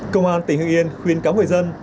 công an tỉnh hương yên khuyên các người dân